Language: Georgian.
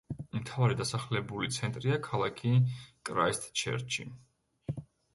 მთავარი დასახლებული ცენტრია ქალაქი კრაისტჩერჩი.